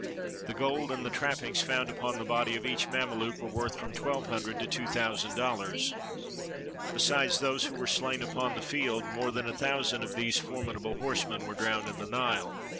The gold and the trappings found upon the body of each Mame luke were worth from twelve hundred to two thousand dollars. Besides those who were slain upon the field, more than a thousand of these formidable horsemen were drowned in the Nile.